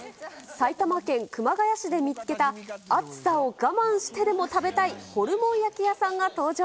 埼玉県熊谷市で見つけた、暑さを我慢してでも食べたいホルモン焼き屋さんが登場。